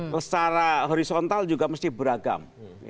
secara horizontal juga mesti beragam